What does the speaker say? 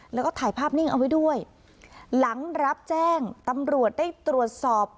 แล้วก็ถ่ายภาพนิ่งเอาไว้ด้วยหลังรับแจ้งตำรวจได้ตรวจสอบ